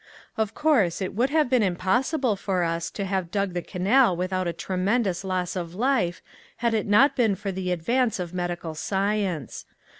Of course it would have been impossible for us to have dug the canal without a tremendous loss of life had it not been for the advance of medical science.